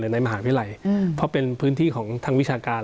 ในมหาวิทยาลัยเพราะเป็นพื้นที่ของทางวิชาการ